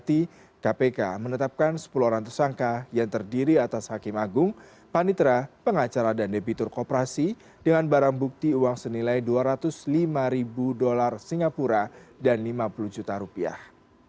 di kpk menetapkan sepuluh orang tersangka yang terdiri atas hakim agung panitera pengacara dan debitur kooperasi dengan barang bukti uang senilai dua ratus lima ribu dolar singapura dan lima puluh juta rupiah